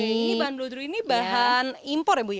oke ini bahan bluedroo ini bahan impor ya bu